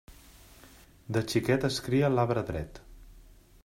De xiquet es cria l'arbre dret.